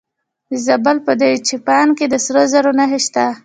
د زابل په دایچوپان کې د سرو زرو نښې شته.